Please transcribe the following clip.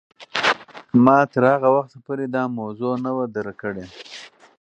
ما تر هغه وخته پورې دا موضوع نه وه درک کړې.